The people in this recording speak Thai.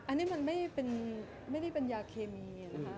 อันนี้มันไม่ได้เป็นยาเคมีนะคะ